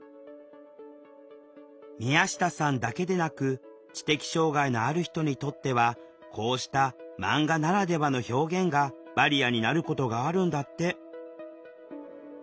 宮下さんだけでなく知的障害のある人にとってはこうした「マンガならではの表現」がバリアになることがあるんだって。